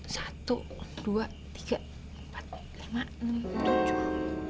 satu dua tiga empat lima tujuh